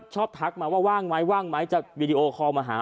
ชอบทักว่าว่าว่างมั้ยว่างไหมวิดีโอคอลมาหา